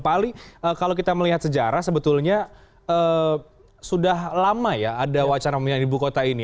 pak ali kalau kita melihat sejarah sebetulnya sudah lama ya ada wacana pemindahan ibu kota ini